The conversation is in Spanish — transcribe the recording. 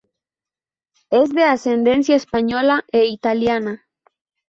Es de ascendencia española e italiana.